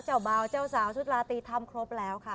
เบาเจ้าสาวชุดราตรีทำครบแล้วค่ะ